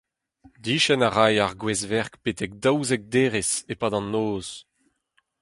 Diskenn a ray ar gwrezverk betek daouzek derez e-pad an noz.